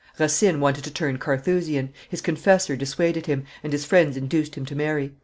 Racine wanted to turn Carthusian; his confessor dissuaded him, and his friends induced him to marry.